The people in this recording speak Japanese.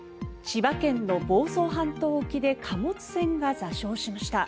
千葉県の房総半島沖で貨物船が座礁しました。